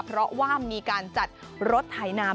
เพราะว่ามีการจัดรถไถนาม